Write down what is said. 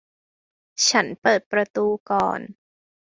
ฉันเปิดประตูก่อน